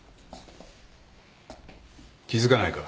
気付かないか？